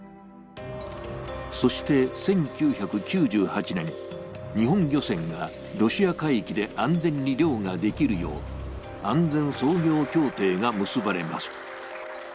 そして１９９８年、日本漁船がロシア海域で安全に漁ができるよう安全操業協定が結ばれます。